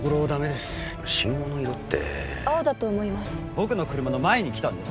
僕の車の前に来たんです。